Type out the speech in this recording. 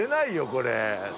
これ。